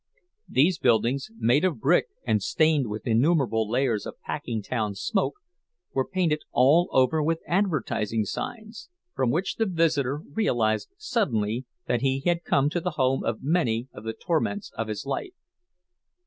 These buildings, made of brick and stained with innumerable layers of Packingtown smoke, were painted all over with advertising signs, from which the visitor realized suddenly that he had come to the home of many of the torments of his life.